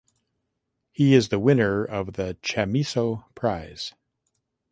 He is the winner of the Chamisso Prize.